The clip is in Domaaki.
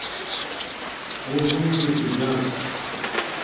اُو ہنزو شُو جاچھس